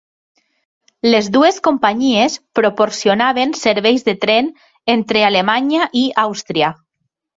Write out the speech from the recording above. Les dues companyies proporcionaven serveis de tren entre Alemanya i Àustria.